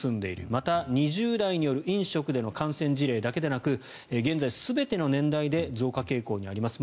また、２０代による飲食での感染事例だけでなく現在は全ての年代で増加傾向にあります。